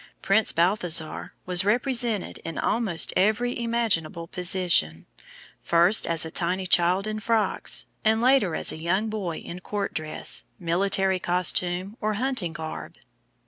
Prince Balthasar was represented in almost every imaginable position, first as a tiny child in frocks, and later as a young boy in court dress, military costume, or hunting garb.